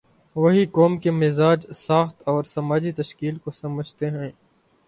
وہی قوم کے مزاج، ساخت اور سماجی تشکیل کو سمجھتے ہیں۔